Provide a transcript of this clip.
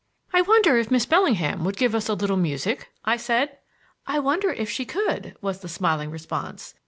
"I wonder if Miss Bellingham would give us a little music?" I said. "I wonder if she could?" was the smiling response.